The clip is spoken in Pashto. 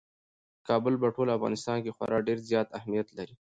کابل په ټول افغانستان کې خورا ډېر زیات اهمیت لري.